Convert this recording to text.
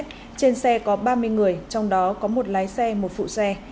trên xe có ba mươi người trong đó có một lái xe một phụ xe